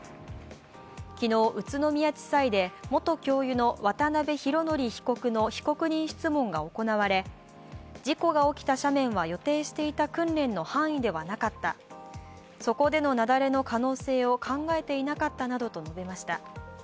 昨日、宇都宮地裁で元教諭の渡辺浩典被告の被告人質問が行われ、事故が起きた斜面は予定していた訓練の範囲ではなかった、そこでの雪崩の可能性を考えていなかったなどと述べました。